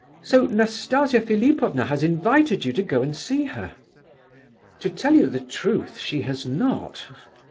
So Nastasia Philipovna has invited you to go and see her?" "To tell the truth, she has not."